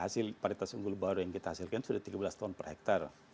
jadi hasil pariwitas unggul baru yang kita hasilkan sudah tiga belas ton per hektare